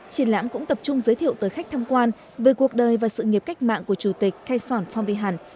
triển lãm cũng tập trung giới thiệu tới khách tham quan về cuộc đời và sự nghiệp cách mạng của chủ tịch khai sòn phong vy hẳn